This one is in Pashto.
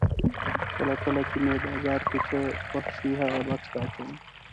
کله کله چې مې بازار کې څه خوښ شي هغه بکس ته اچوم.